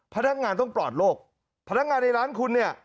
๒พนักงานต้องปลอดโรคพนักงานในร้านคุณ